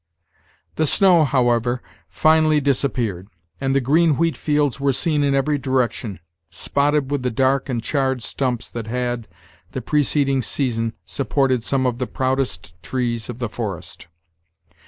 The snow, however, finally disappeared, and the green wheat fields were seen in every direction, spotted with the dark and charred stumps that had, the preceding season, supported some of the proudest trees of the forest.